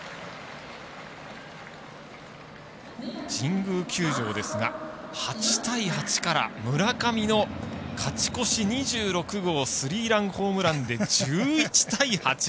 神宮球場ですが、８対８から村上の勝ち越し２６号スリーランホームランで１１対８。